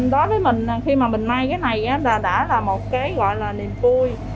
đối với mình khi mà mình may cái này là đã là một cái gọi là niềm vui